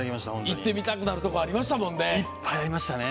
行ってみたくなるところありましたね。